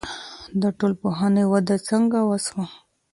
د ټولنپوهنې وده څنګه وسوه؟